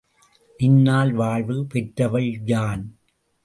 நின்னால் வாழ்வு பெற்றவள் யான்.